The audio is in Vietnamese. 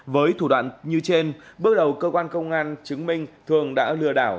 với thủ đoạn như trên bước đầu cơ quan công an chứng minh thường đã lừa đảo